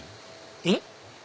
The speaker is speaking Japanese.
えっ？